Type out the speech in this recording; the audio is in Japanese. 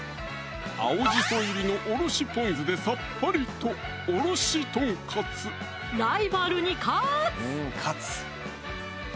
青じそ入りのおろしぽん酢でさっぱりとライバルにかつ！